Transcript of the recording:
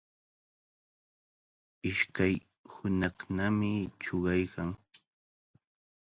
Ishkay hunaqnami chuqaykan.